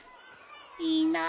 いいな。